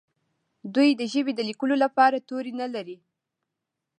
دوی د ژبې د لیکلو لپاره توري نه لري.